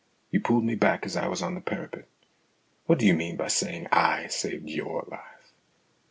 You pulled me back as I was on the parapet. What do you mean by saying / saved your life